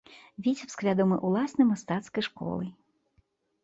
Віцебск вядомы ўласнай мастацкай школай.